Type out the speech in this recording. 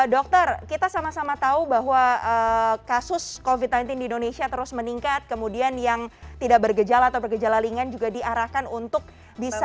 dokter kita sama sama tahu bahwa kasus covid sembilan belas di indonesia terus meningkat kemudian yang tidak bergejala atau bergejala ringan juga diarahkan untuk bisa